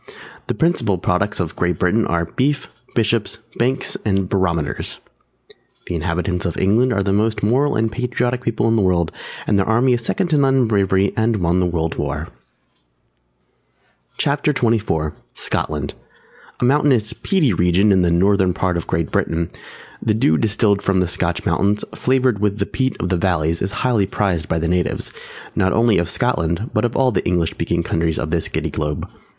The principal products of Great Britain are Beef, Bishops, Banks, and Barometers. The inhabitants of England are the most Moral and Patriotic people in the World, and their army is second to none in bravery and won the World War. CHAPTER XXIV SCOTLAND A mountainous, peaty region in the northern part of Great Britain. [Illustration: "The apparel oft proclaims the man." HAMLET.] The Dew distilled from the Scotch mountains, flavoured with the peat of the valleys is highly prized by the natives, not only of Scotland but of all the English speaking countries of this Giddy Globe.